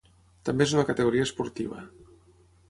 També és una categoria esportiva.